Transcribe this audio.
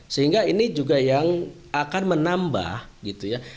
sehingga ini juga yang akan menambah gitu ya